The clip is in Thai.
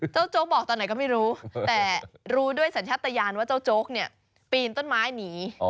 โจ๊กบอกตอนไหนก็ไม่รู้แต่รู้ด้วยสัญชาติยานว่าเจ้าโจ๊กเนี่ยปีนต้นไม้หนี